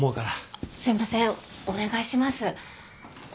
あっすいませんお願いします。